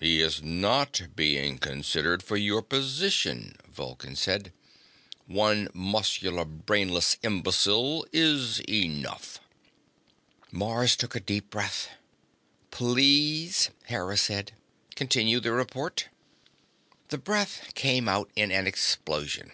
"He is not being considered for your position," Vulcan said. "One muscular brainless imbecile is enough." Mars took a deep breath. "Please," Hera said. "Continue the report." The breath came out in an explosion.